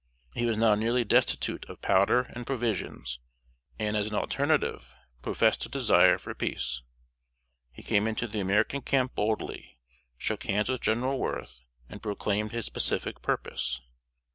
He was now nearly destitute of powder and provisions, and, as an alternative, professed a desire for peace. He came into the American camp boldly, shook hands with General Worth, and proclaimed his pacific purpose.